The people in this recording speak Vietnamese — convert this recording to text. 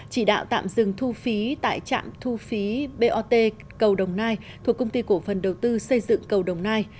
chỉ đạo tạm dừng thu phí tại trạm thu phí bot cầu đồng nai thuộc công ty cổ phần đầu tư xây dựng cầu đồng nai